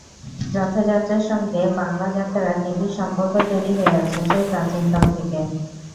রথযাত্রার সঙ্গে বাংলা যাত্রার নিবিড় সম্পর্ক তৈরি হয়ে আছে সেই প্রাচীনকাল থেকে।